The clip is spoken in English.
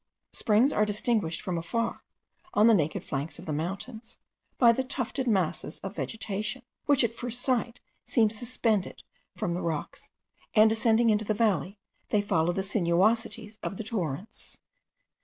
Springs are distinguished from afar, on the naked flanks of the mountains, by tufted masses of vegetation* which at first sight seem suspended from the rocks, and descending into the valley, they follow the sinuosities of the torrents.